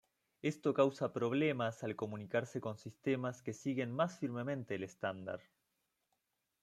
Esto causa problemas al comunicarse con sistemas que siguen más firmemente el estándar.